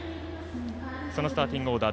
そのスターティングオーダー。